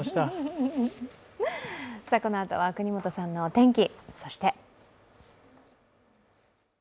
このあとは國本さんのお天気。